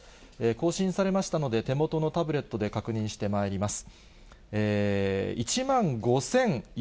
更新されましたので、手元のタブレットで確認してまいります。